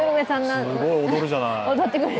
すごい踊るじゃない。